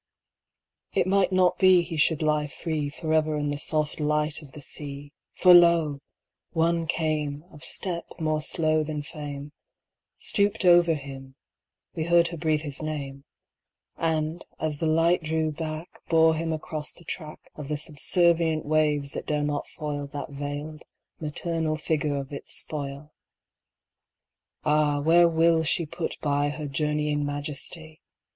It might not beHe should lie freeForever in the soft light of the sea, For lo! one came, Of step more slow than fame, Stooped over him—we heard her breathe his name—And, as the light drew back, Bore him across the trackOf the subservient waves that dare not foilThat veiled, maternal figure of its spoil. Ah! where will she put byHer journeying majesty?